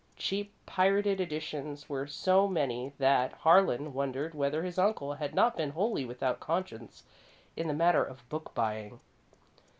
Cheap, pirated editions were so many that Harlan wondered whether his uncle had not been wholly without conscience in the matter of book buying.